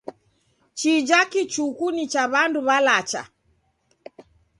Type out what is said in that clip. Chija kichuku ni cha w'andu w'alacha.